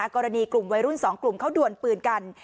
กรณีกลุ่มวัยรุ่น๒กลุ่มเขาด่วนปืนกัน